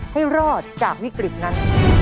ให้รอดจากวิกฤตนั้น